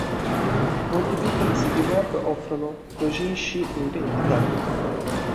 Molti piccoli siti web offrono dōjinshi in vendita.